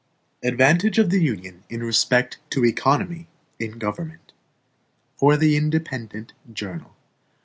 13 Advantage of the Union in Respect to Economy in Government For the Independent Journal.